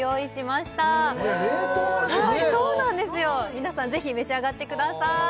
皆さんぜひ召し上がってください